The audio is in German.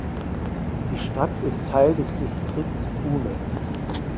Die Stadt ist Teil des Distrikts Pune.